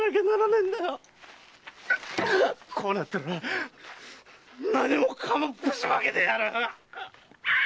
こうなったら何もかもぶちまけてやる！